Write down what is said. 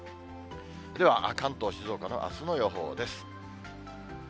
では関東、静岡のあすの予報です。